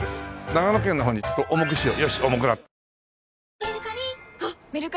長野県の方にちょっと重くしよう。